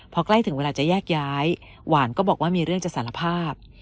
พอใกล้ถึงเวลาจะแยกย้ายหวานก็บอกว่ามีเรื่องจะสารภาพ